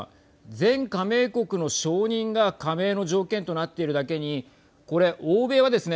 全加盟国の承認が加盟の条件となっているだけにこれ欧米はですね